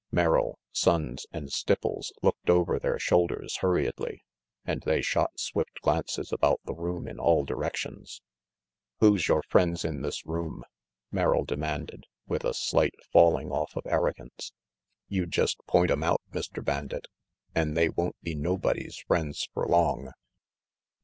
Merrill, Sonnes and Stipples looked over their shoulders hurriedly, and they shot swift glances about the room in all directions. "Who's yore friends in this room?" Merrill demanded, with a slight falling off of arrogance. "You jest point 'em out, Mr. Bandit, an' they won't be nobody's friends fer long."